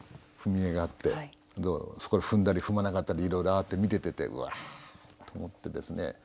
踏絵があってそこを踏んだり踏まなかったりいろいろあって見ててうわっと思ってですね。